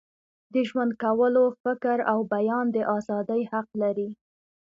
د ژوند کولو، فکر او بیان د ازادۍ حق لري.